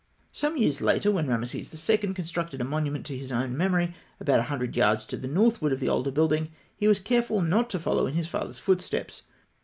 Some years later, when Rameses II. constructed a monument to his own memory, about a hundred yards to the northward of the older building, he was careful not to follow in his father's footsteps.